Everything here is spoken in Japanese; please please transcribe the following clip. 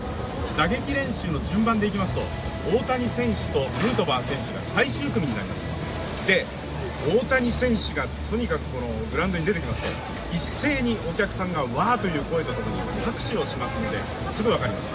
打撃練習の順番でいいますと大谷選手とヌートバー選手が最終組になりますで、大谷選手がとにかくグラウンドに出てきますと一斉にお客さんがワーという声が上がりますのですぐ分かります。